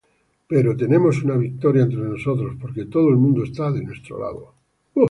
Pero tenemos una victoria entre nosotros, porque todo el mundo está de nuestro lado.